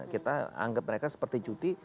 kita anggap mereka seperti cuti